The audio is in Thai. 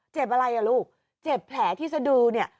เจ็บอะไรล่ะลูกเจ็บแผลที่สดูเนี่ย